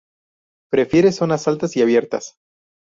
Prefiere zonas altas y abiertas.